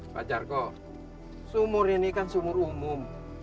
pak jargo sumur ini kan sumur umum